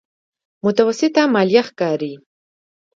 متوسطه ماليه ښکاري.